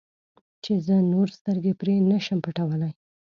چې زه نور سترګې پرې نه شم پټولی.